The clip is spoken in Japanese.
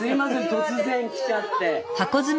突然来ちゃって。